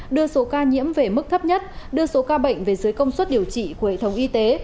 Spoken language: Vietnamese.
đưa số ca nhiễm về mức thấp nhất đưa số ca bệnh về dưới công suất điều trị của hệ thống y tế